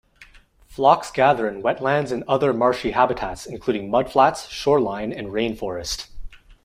Flocks gather in wetlands and other marshy habitats, including mud flats, shoreline and rainforest.